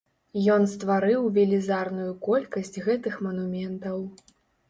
Ён стварыў велізарную колькасць гэтых манументаў.